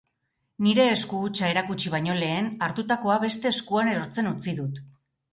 Nire esku hutsa erakutsi baino lehen, hartutakoa beste eskuan erortzen utzi dut.